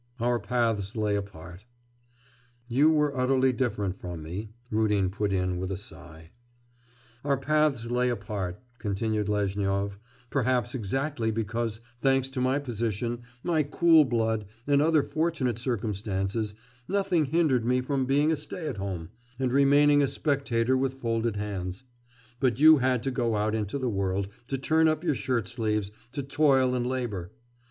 Our paths lay apart,'... 'You were utterly different from me,' Rudin put in with a sigh. 'Our paths lay apart,' continued Lezhnyov, 'perhaps exactly because, thanks to my position, my cool blood, and other fortunate circumstances, nothing hindered me from being a stay at home, and remaining a spectator with folded hands; but you had to go out into the world, to turn up your shirt sleeves, to toil and labour.